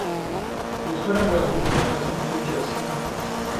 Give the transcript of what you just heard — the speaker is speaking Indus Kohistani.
اُو سو رن٘گاں حُکم (قسم) تُھو چے اسِی مہ